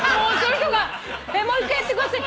もう一回やってください！